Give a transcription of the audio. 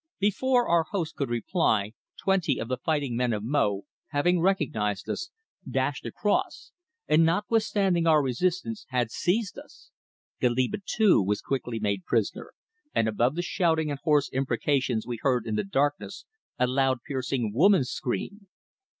Before our host could reply twenty of the fighting men of Mo, having recognized us, dashed across, and notwithstanding our resistance, had seized us. Goliba, too, was quickly made prisoner, and above the shouting and hoarse imprecations we heard in the darkness a loud piercing woman's scream.